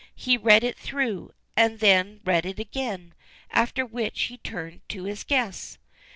He read it through, and then read it again, after which he turned to his guests.